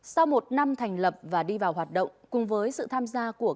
sau một năm thành lập và đi vào hoạt động cùng với sự tham gia của